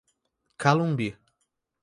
Calumbi